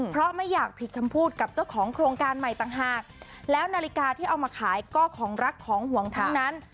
เพราะไม่อยากผิดคำพูดกับเจ้าของโครงการใหม่ต่างหากแล้วนาฬิกาที่เอามาขายก็ของรักของห่วงทั้งนั้น